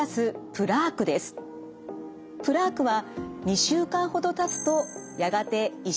プラークは２週間ほどたつとやがて石のように硬い塊になります。